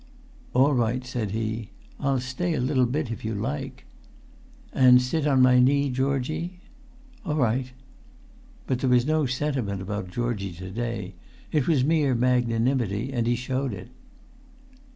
"All right," said he; "I'll stay a little bit if you like." "And sit on my knee, Georgie." "All right." [Pg 281]But there was no sentiment about Georgie to day; it was mere magnanimity, and he showed it.